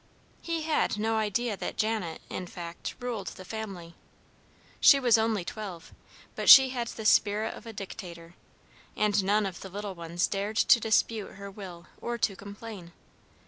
He had no idea that Janet, in fact, ruled the family. She was only twelve, but she had the spirit of a dictator, and none of the little ones dared to dispute her will or to complain.